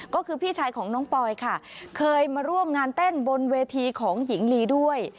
ก็คือพี่ชายของน้องปอยค่ะเคยมาร่วมงานเต้นบนเวทีของหญิงลีด้วย